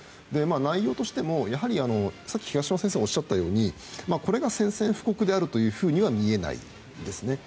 内容としても、やはり東野先生がおっしゃったように、これが宣戦布告であるというふうには見えないんですね。